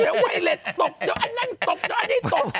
เดี๋ยวไวเล็ตตกเดี๋ยวอันนั้นตกเดี๋ยวอันนี้ตก